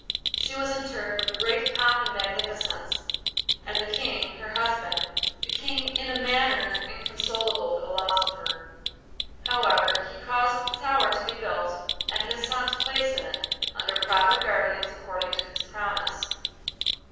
She was interred with great pomp and magnificence, and the King, her husband, became in a manner inconsolable for the loss of her. However, he caused the tower to be built and his sons placed in it, under proper guardians, according to his promise.